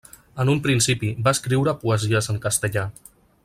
En un principi, va escriure poesies en castellà.